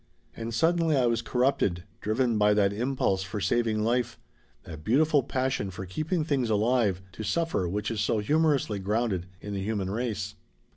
And suddenly I was corrupted, driven by that impulse for saving life, that beautiful passion for keeping things alive to suffer which is so humorously grounded in the human race."